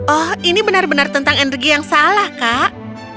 oh ini benar benar tentang energi yang salah kak